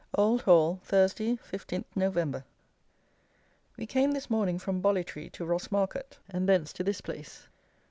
Old Hall, Thursday, 15 Nov. We came this morning from Bollitree to Ross Market, and, thence, to this place.